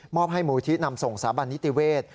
อบให้มูลที่นำส่งสาบันนิติเวศ